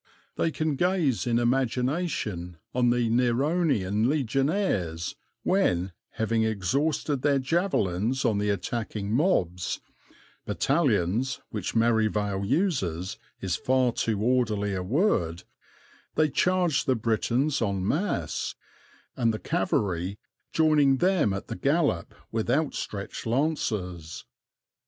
They can gaze in imagination on the Neronian legionaries when, having exhausted their javelins on the attacking mobs ("battalions," which Merivale uses, is far too orderly a word), they charged the Britons en masse, and the cavalry joining them at the gallop with out stretched lances.